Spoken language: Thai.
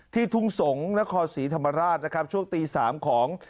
ทุ่งสงศ์นครศรีธรรมราชนะครับช่วงตี๓ของ